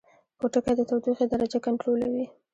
پوټکی د تودوخې درجه کنټرولوي